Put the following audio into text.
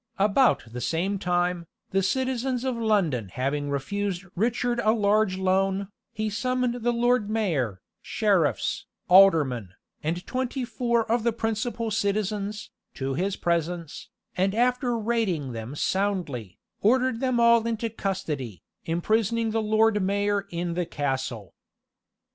About the same time, the citizens of London having refused Richard a large loan, he summoned the lord mayor, sheriffs, aldermen, and twenty four of the principal citizens, to his presence, and after rating them soundly, ordered them all into custody, imprisoning the lord mayor in the castle.